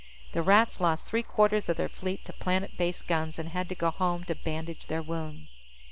The Rats lost three quarters of their fleet to planet based guns and had to go home to bandage their wounds.